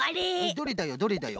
どれだよどれだよ？